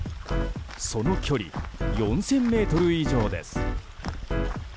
その距離４ｋｍ以上です。